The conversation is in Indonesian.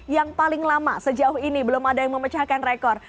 yang paling lama sejauh ini belum ada yang memecahkan rekor